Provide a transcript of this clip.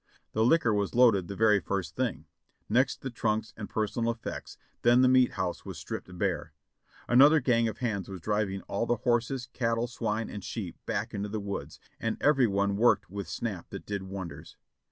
The liquor was loaded the very first thing; next the trunks and personal efifects, then the meat house was stripped bare. Another gang of hands was driving all the horses, cattle, swine and sheep back into the woods, and every one worked with snap that did wonders.